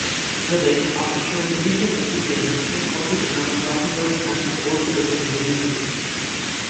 Radek, after showing initial enthusiasm, soon also denounced Laufenberg's National Bolshevism vehemently.